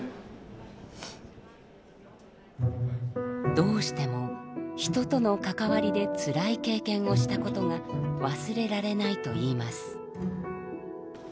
どうしても人との関わりでつらい経験をしたことが忘れられないといいます。